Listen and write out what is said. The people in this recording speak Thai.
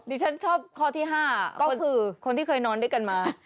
ฉันชอบข้อที่๕ก็คือคนที่เคยนอนด้วยกันมา